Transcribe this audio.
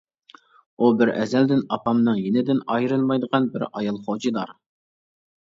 ئۇ بىر ئەزەلدىن ئاپامنىڭ يېنىدىن ئايرىلمايدىغان بىر ئايال خوجىدار.